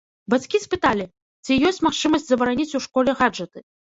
Бацькі спыталі, ці ёсць магчымасць забараніць у школе гаджэты.